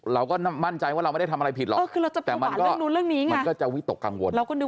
เราก็มั่นใจว่าเราไม่ได้ทำอะไรผิดหรอก